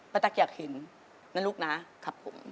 ประตักษ์อยากเห็นนั่นลูกนะครับผม